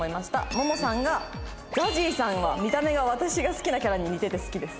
ももさんがＺＡＺＹさんは見た目が私が好きなキャラに似てて好きです。